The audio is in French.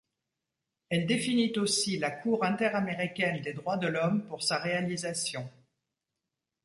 Elle définit aussi la Cour interaméricaine des droits de l'homme pour sa réalisation.